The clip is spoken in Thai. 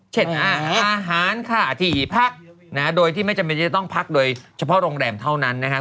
เฉ็ดอาหารค่าที่อีกพักโดยที่ไม่จำเป็นจะต้องพักโดยเฉพาะโรงแรมเท่านั้นนะคะ